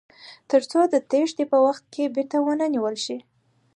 تر څو د تیښتې په وخت کې بیرته ونیول شي.